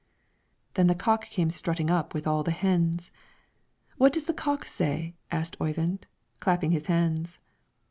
] Then the cock came strutting up with all the hens. "What does the cock say?" asked Oyvind, clapping his hands.